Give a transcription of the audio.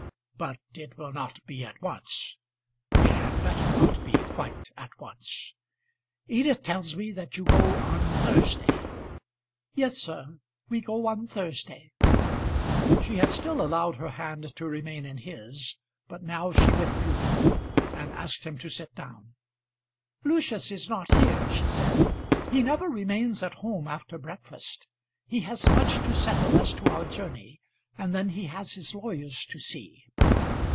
But it will not be at once. It had better not be quite at once. Edith tells me that you go on Thursday." "Yes, sir; we go on Thursday." She had still allowed her hand to remain in his, but now she withdrew it, and asked him to sit down. "Lucius is not here," she said. "He never remains at home after breakfast. He has much to settle as to our journey; and then he has his lawyers to see."